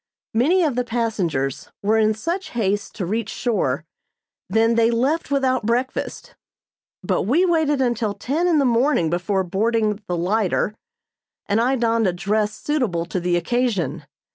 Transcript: Many of the passengers were in such haste to reach shore than they left without breakfast; but we waited until ten in the morning before boarding the "lighter," and I donned a dress suitable to the occasion.